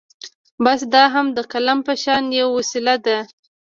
بس دا هم د قلم په شان يوه وسيله ده.